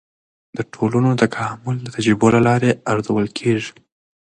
د ټولنو تکامل د تجربو له لارې ارزول کیږي.